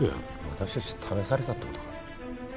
私たち試されたって事か？